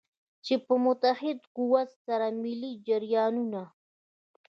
چې په متحد قوت سره ملي جریانونه.